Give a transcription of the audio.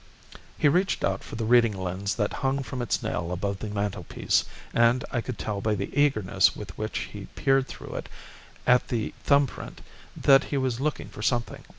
He reached out for the reading lens that hung from its nail above the mantelpiece, and I could tell by the eagerness with which he peered through it at the thumb print that he was looking for something.